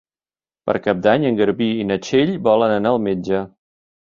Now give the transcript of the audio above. Per Cap d'Any en Garbí i na Txell volen anar al metge.